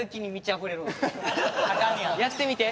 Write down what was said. やってみて。